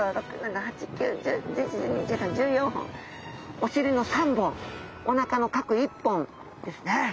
お臀の３本おなかの各１本ですね。